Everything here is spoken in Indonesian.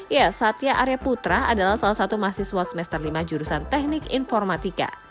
ya satya arya putra adalah salah satu mahasiswa semester lima jurusan teknik informatika